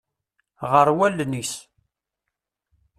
Ɣer wallen-is.